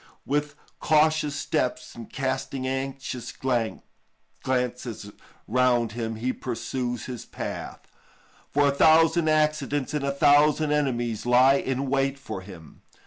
With cautious steps and casting anxious glances round him he pursues his path, for a thousand accidents and a thousand enemies lie in wait for him.